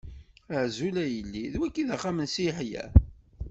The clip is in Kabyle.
Azul a yelli, d wagi i d axxam n Si Yeḥya?